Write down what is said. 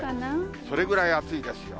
それぐらい暑いですよ。